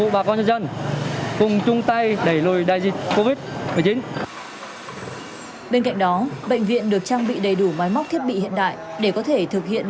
bên cạnh đó bệnh viện được trang bị đầy đủ máy móc thiết bị hiện đại để có thể thực hiện